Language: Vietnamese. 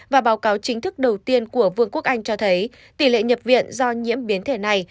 và báo cáo chính thức đầu tiên của vương quốc anh cho thấy tỷ lệ nhập viện do nhiễm biến thể này